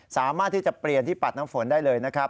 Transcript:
สามารถที่จะเปลี่ยนที่ปัดน้ำฝนได้เลยนะครับ